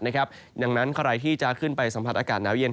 ดังนั้นใครที่จะขึ้นไปสัมผัสอากาศหนาวเย็น